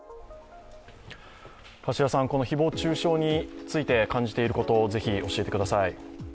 この誹謗中傷について感じていることぜひ教えてください。